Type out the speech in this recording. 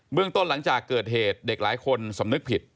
เรื่องต้นหลังจากเกิดเหตุเด็กหลายคนสำนึกผิด